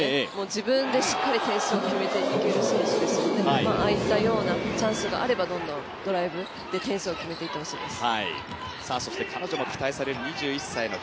自分でしっかり点数を決めていける選手ですのでああいったようなチャンスがあればどんどんドライブで点数を決めていってほしいです。